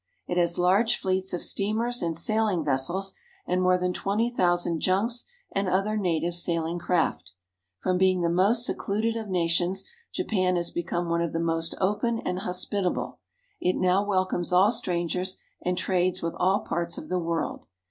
It has large fleets of steamers and sailing vessels and more than twenty thousand junks and other native sailing craft. From being the most secluded of nations, Japan has become one of the most open and hospitable. It now wel comes all strangers and trades with all parts of the world.